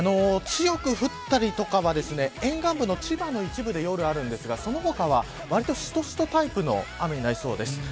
強く降ったりとかは沿岸部の千葉の一部で夜あるんですがその他は、わりとしとしとタイプの雨になりそうです。